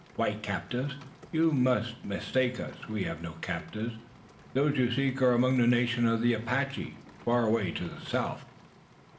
"White captives! You mistake us. We have no captives. Those you seek are among the nations of the Apache, away far to the south."